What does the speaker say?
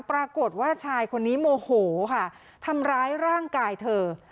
ปรากฏว่าชายคนนี้โมโหค่ะทำร้ายร่างกายเธอ